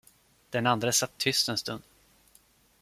Den andre satt tyst en stund.